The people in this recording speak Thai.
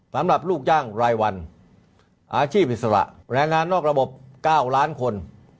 สำหรับลูกจ้างรายวันอาชีพอิสระแรงงานนอกระบบ๙ล้านคน